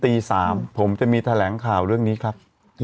ตี๓ผมจะมีแถลงข่าวเรื่องนี้ครับ